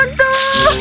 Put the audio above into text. langit akan runtuh